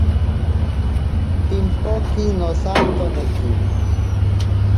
Pimpoke nosantoneki.